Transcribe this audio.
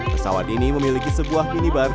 pesawat ini memiliki sebuah minibar